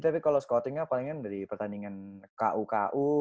tapi kalau scoutingnya palingan dari pertandingan ku ku